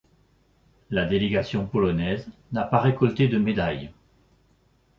La délégation polonaise n'a pas récolté de médaille.